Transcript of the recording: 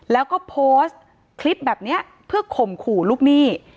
แล้วก็โพสต์คลิปแบบนี้เพื่อข่มขู่ลูกหนี้